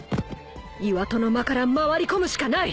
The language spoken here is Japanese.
岩戸の間から回り込むしかない！